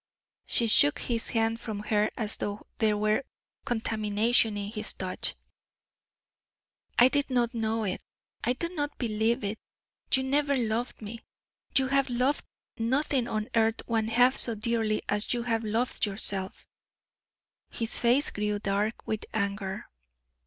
She shook his hand from her as though there were contamination in his touch. "I did not know it. I do not believe it. You never loved me you have loved nothing on earth one half so dearly as you have loved yourself!" His face grew dark with anger.